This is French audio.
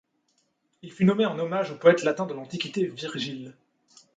Il fut nommé en hommage au poète latin de l'antiquité Virgile.